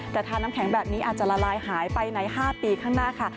แต่ทาน้ำแข็งแบบนี้อาจจะละลายหายไปใน๕ปีข้างหน้าค่ะ